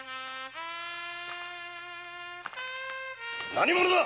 何者だ！